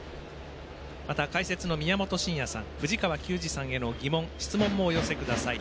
また、解説の宮本慎也さん、藤川球児さんへの疑問、質問もお寄せください。